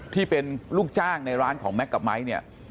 ที่เป็นลูกจ้างในร้านของแก๊กกับไม้เนี่ย